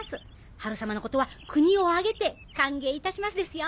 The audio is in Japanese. ハル様のことは国を挙げて歓迎いたしますですよ！